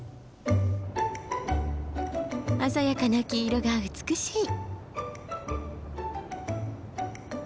鮮やかな黄色が美しい。